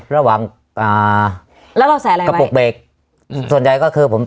ระหว่างอ่าแล้วเราใส่อะไรกระปุกเบรกอืมส่วนใหญ่ก็คือผม